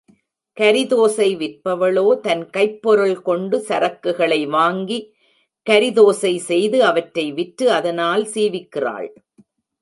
கரிதோசை விற்பவளோ தன் கைப்பொருள் கொண்டு சரக்குகளை வாங்கிக் கரிதோசை செய்து அவற்றை விற்று அதனால் சீவிக்கிறாள்.